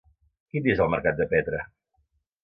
Quin dia és el mercat de Petra?